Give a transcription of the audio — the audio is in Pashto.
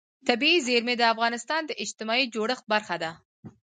طبیعي زیرمې د افغانستان د اجتماعي جوړښت برخه ده.